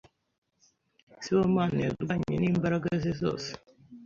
Sibomana yarwanye n'imbaraga ze zose.